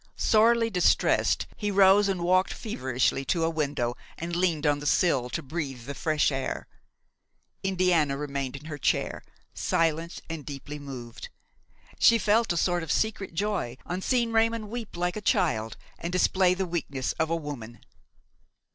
Sorely distressed, he rose and walked feverishly to a window and leaned on the sill to breathe the fresh air. Indiana remained in her chair, silent and deeply moved. She felt a sort of secret joy on seeing Raymon weep like a child and display the weakness of a woman.